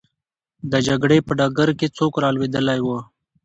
د جګړې په ډګر کې څوک رالوېدلی وو؟